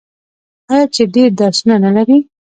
آیا چې ډیر درسونه نلري؟